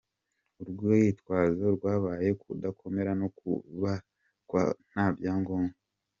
Urwitwazo rwabaye kudakomera no kubakwa nta byangombwa.